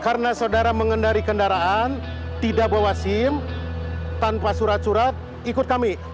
karena saudara mengendari kendaraan tidak bawa sim tanpa surat surat ikut kami